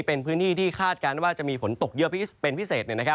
เป็นพื้นที่ที่คาดการณ์ว่าจะมีฝนตกเยอะเป็นพิเศษ